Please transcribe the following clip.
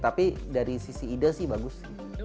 tapi dari sisi ide sih bagus